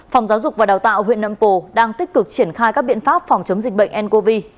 phòng giáo dục và đào tạo huyện nậm pồ đang tích cực triển khai các biện pháp phòng chống dịch bệnh ncov